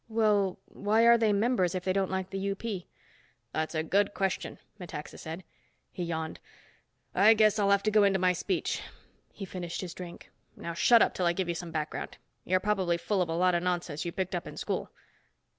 "Well, why are they members if they don't like the UP?" "That's a good question," Metaxa said. He yawned. "I guess I'll have to go into my speech." He finished his drink. "Now, shut up till I give you some background. You're probably full of a lot of nonsense you picked up in school."